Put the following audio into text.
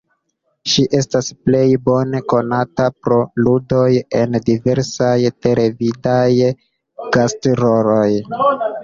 Ŝi estas plej bone konata pro ludoj en diversaj televidaj gast-roloj.